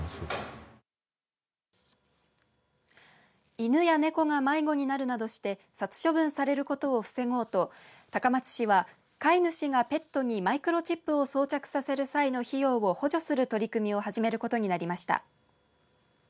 犬や猫が迷子になるなどして殺処分されることを防ごうと高松市は飼い主がペットにマイクロチップを装着させる際の費用を補助する取り組みを始めることになりました。